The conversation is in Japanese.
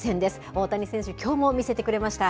大谷選手、きょうも見せてくれました。